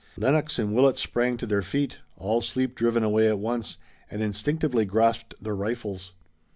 Lennox and Willet sprang to their feet, all sleep driven away at once, and instinctively grasped their rifles.